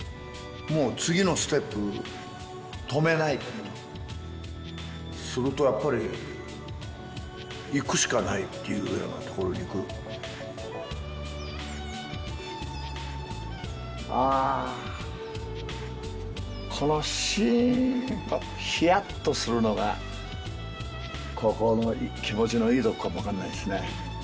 もう次のステップ止めないと思うよするとやっぱり行くしかないっていうようなところに行くあこのシンとひやっとするのがここのいい気持ちのいいとこかも分かんないですね